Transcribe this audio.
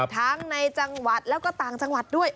ทั้งในจังหวัดแล้วก็ต่างจังหวัดด้วย